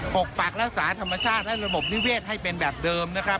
ปกปักรักษาธรรมชาติและระบบนิเวศให้เป็นแบบเดิมนะครับ